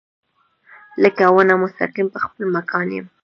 لکه ونه مستقیم پۀ خپل مکان يم